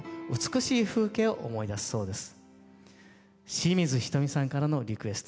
清水ひとみさんからのリクエスト